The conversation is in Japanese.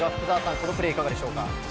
このプレーいかがでしょうか。